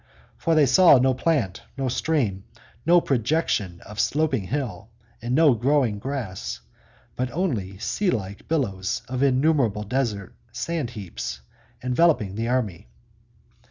For they saw no plant, no stream, no projection of sloping hill, and no growing grass, but only sea like billows of innumerable desert sand heaps enveloping the army.